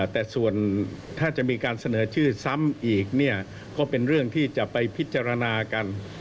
แต่ส่วนถ้าจะมีการเสนอชื่อซ้ำอีกเนี่ยก็เป็นเรื่องที่จะไปพิจารณากัน